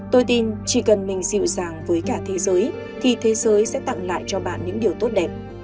tôi tin chỉ cần mình dịu dàng với cả thế giới thì thế giới sẽ tặng lại cho bạn những điều tốt đẹp